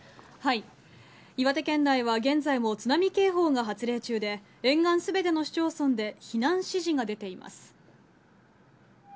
岩手県内は現在も津波警報が発令中で、沿岸すべての市町村で避難指示が出ています。